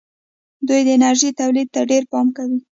دوی د انرژۍ تولید ته ډېر پام کوي.